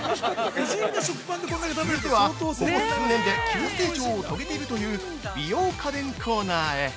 ◆続いては、ここ数年で急成長を遂げているという美容家電コーナーへ！